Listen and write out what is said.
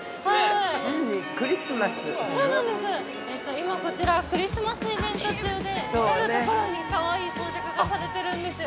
◆今、こちらクリスマスイベント中で至る所にかわいい装飾がされているんですよ。